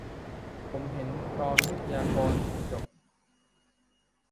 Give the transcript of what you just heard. ผมเห็นตอนวิทยากรพูดจบ